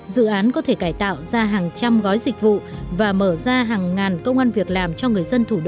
dự án có thể cải tạo ra hàng trăm gói dịch vụ và mở ra hàng ngàn công an việc làm cho người dân thủ đô